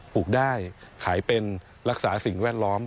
ลูกได้ขายเป็นรักษาสิ่งแวดล้อม